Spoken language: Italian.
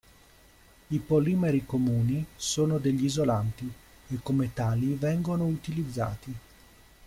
I polimeri comuni sono degli isolanti e come tali vengono utilizzati.